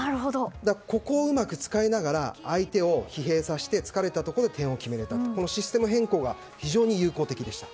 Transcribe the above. ここをうまく使いながら相手を疲弊させて疲れたところで点を決めるというシステム変更が非常に有効的でした。